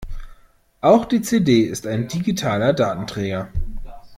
Auch die CD ist ein digitaler Datenträger.